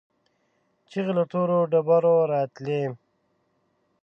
چيغې له تورو ډبرو راتلې.